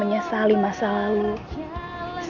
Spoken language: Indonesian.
berhubung sama aku pittsburgh atau malaysia